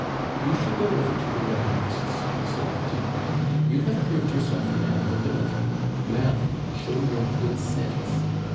"You should go over to the Royalists," said the Duke. "You have proved yourself a man of ability; now show your good sense.